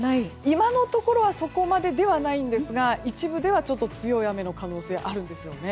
今のところはそこまでではないんですが一部ではちょっと強い雨の可能性があるんですね。